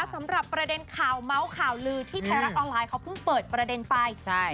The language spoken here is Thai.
สำหรับประเด็นข่าวเมาส์ข่าวลือที่ไทยรัฐออนไลน์เขาเพิ่งเปิดประเด็นไปใช่